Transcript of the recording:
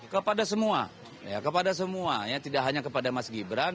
kepada semua kepada semua ya tidak hanya kepada mas gibran